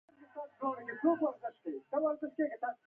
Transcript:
دماغ برېښنايي سیګنال لېږي.